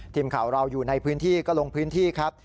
ทีมข่าวเราอยู่ในพื้นที่ก็ลงพื้นที่ครับ